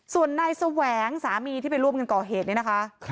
ส่วนนายแสวงสามีที่ไปร่วมกันก่อเหตุเนี่ยนะคะ